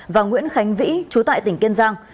và nguyễn khánh vĩ trú tại tỉnh kiên giang